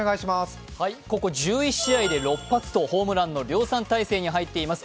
ここ１１試合で６発とホームランの量産体制に入っています